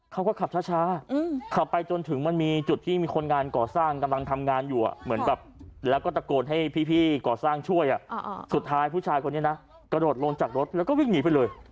แล้วก็ยังไม่ทราบว่าเขาไปโดนอะไรมา